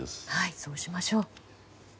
そうしましょう。